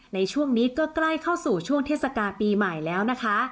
ในช่วงนี้ก็ใกล้เข้าสู่ช่วงเทศกาลปีใหม่แล้วนะคะ